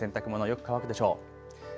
洗濯物、よく乾くでしょう。